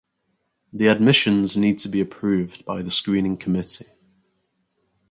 The admissions need to be approved by the screening committee.